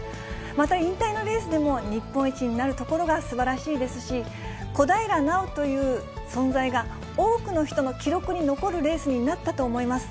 また引退のレースでも、日本一になるところがすばらしいですし、小平奈緒という存在が、多くの人の記憶に残るレースになったと思います。